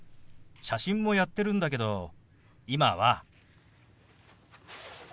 写真もやってるんだけど今は。